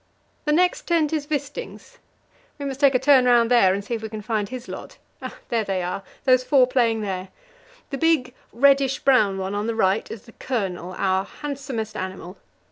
The next tent is Wisting's. We must take a turn round there and see if we can find his lot. There they are those four playing there. The big, reddish brown one on the right is the Colonel, our handsomest animal.